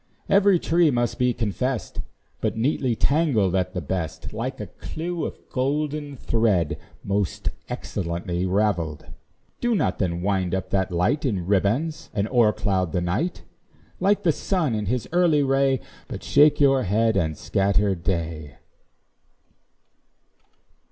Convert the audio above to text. Every tress must be confess'd But neatly tangled at the best, Like a clew of golden thread, Most excellently ravelled. Do not then wind up that light In ribands, and o'ercloud the night; Like the sun in his early ray, But shake your head and scatter day.